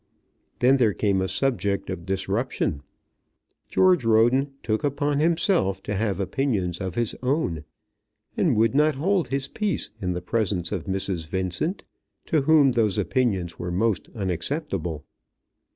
Then there came a subject of disruption. George Roden took upon himself to have opinions of his own; and would not hold his peace in the presence of Mrs. Vincent, to whom those opinions were most unacceptable.